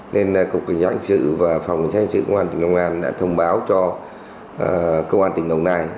nên cục cảnh sát hình sự và phòng cảnh sát hình sự công an tỉnh long an đã thông báo cho công an tỉnh long an